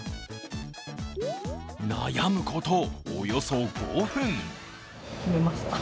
悩むこと、およそ５分。